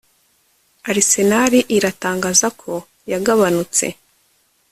Arsenal iratangaza ko yagabanutse